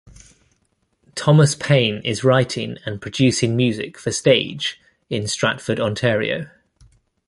Thomas Payne is writing and producing music for stage in Stratford Ontario.